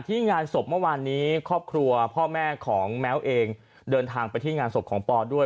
งานศพเมื่อวานนี้ครอบครัวพ่อแม่ของแม้วเองเดินทางไปที่งานศพของปอด้วย